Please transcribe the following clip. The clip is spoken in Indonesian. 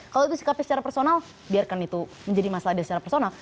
kalau itu sikapnya secara personal biarkan itu menjadi masalah dan secara personal